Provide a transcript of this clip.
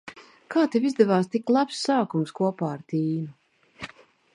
Kā tev izdevās tik labs sākums kopā ar Tīnu?